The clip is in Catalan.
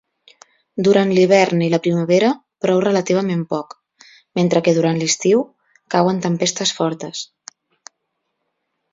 Durant l'hivern i la primavera plou relativament poc, mentre que durant l'estiu, cauen tempestes fortes.